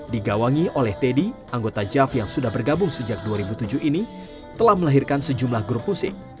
digawangi oleh teddy anggota jav yang sudah bergabung sejak dua ribu tujuh ini telah melahirkan sejumlah grup musik